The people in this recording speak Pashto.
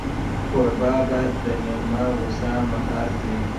کوربه باید د مېلمه غوسه مهار کړي.